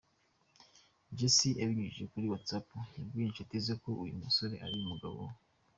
Jessy abinyujije kuri whatsapp yabwiye inshuti ze ko uyu musore ari umugabo we.